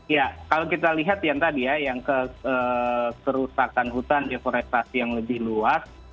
ya kalau kita lihat yang tadi ya yang keterusakan hutan deforestasi yang lebih luas